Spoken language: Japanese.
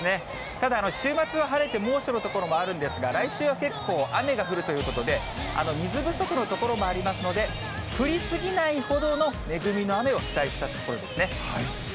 ただ、週末は晴れて、猛暑の所もあるんですが、来週は結構雨が降るということで、水不足の所もありますので、降り過ぎないほどの恵みの雨を期待したいところですね。